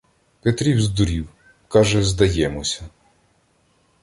Петрів здурів, каже: здаємося.